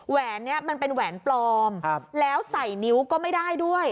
แหวนนี้มันเป็นแหวนปลอมแล้วใส่นิ้วก็ไม่ได้ด้วย